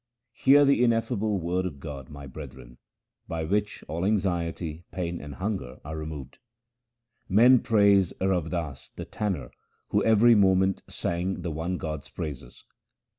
332 THE SIKH RELIGION Hear the ineffable word of God, my brethren, by which all anxiety, pain, and hunger are removed. Men praise Rav Das the tanner who every moment sang the one God's praises.